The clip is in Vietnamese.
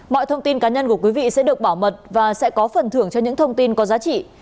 mọi thông tin cá nhân của quý vị sẽ được bảo mật và sẽ có phần thưởng cho những thông tin có giá trị